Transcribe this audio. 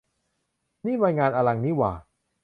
นี่มันงานอลังนี่หว่า !